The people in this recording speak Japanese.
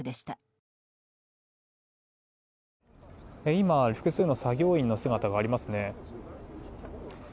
今、複数の作業員の姿がありますね。